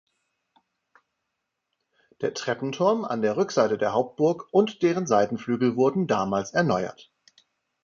Der Treppenturm an der Rückseite der Hauptburg und deren Seitenflügel wurden damals erneuert.